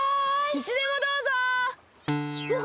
いつでもどうぞ！